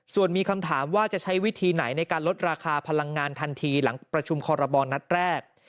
ส่วนมีคำถามว่าจะใช้วิธีไหนในการลดราคาพลังงานทันทีหลังประชุมคอรมอลนัดแรก